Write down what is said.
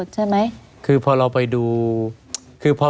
ไม่มีครับไม่มีครับ